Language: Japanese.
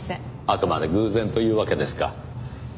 あくまで偶然というわけですか。